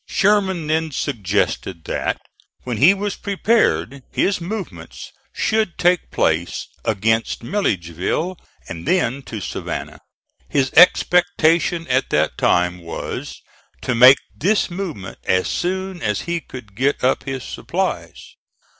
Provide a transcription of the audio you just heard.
Sherman then suggested that, when he was prepared, his movements should take place against Milledgeville and then to Savannah. His expectation at that time was, to make this movement as soon as he could get up his supplies.